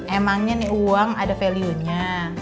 emangnya nih uang ada value nya